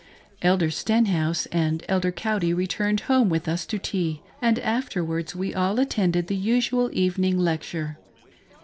Elder Stenhouse and Elder Cowdy returned home with us to tea, and afterwards we all attended the usual evening lecture.